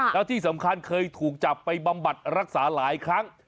แล้วที่สำคัญเคยถูกจับไปบำบัดรักษาหลายครั้ง